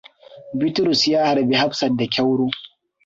Bitrus ya harbi Hafsat da kyauro.